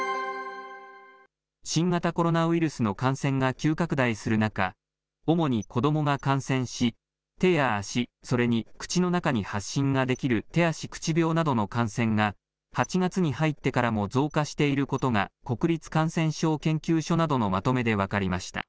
新型コロナウイルスの感染が急拡大する中、主に子どもが感染し、手や足、それに口の中に発疹が出来る手足口病などの感染が８月に入ってからも増加していることが、国立感染症研究所などのまとめで分かりました。